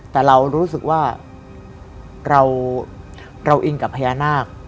แต่เรารู้สึกว่าเราอิงกับพญานาค